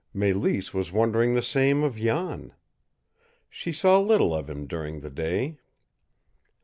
Mélisse was wondering the same of Jan. She saw little of him during the day.